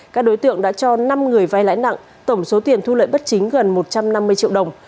các đối tượng đã cho năm người vay lãi nặng tổng số tiền thu lợi bất chính gần một trăm năm mươi triệu đồng